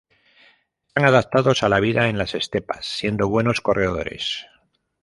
Están adaptados a la vida en las estepas, siendo buenos corredores.